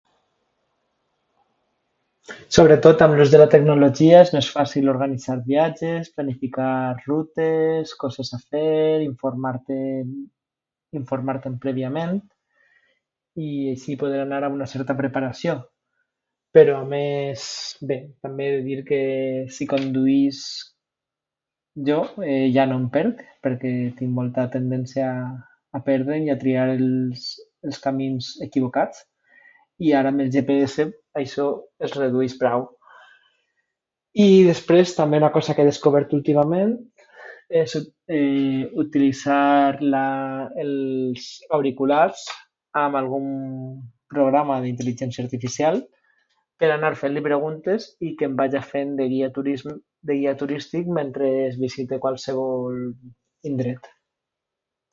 Sobretot amb l'ús de la tecnologia és més fàcil organitzar viatges, planificar rutes, coses a fer, informar-te'n... informa-te'n prèviament, i així poder anar amb una certa preparació. Però a més... bé, també dir que si conduïsc... jo, ja no em perc, perquè tinc molta tendència a... a perdre'm i a triar els... els camins equivocats, i ara amb el GPS això es redueix prou, i... després també una cosa que he descobert últimament, és eh... utilitzar la... els... auriculars amb algun... programa d'intel·ligència artificial per anar fent-li preguntes i que em vaja fent de guia turism... de guia turístic mentre es visita qualsevol indret.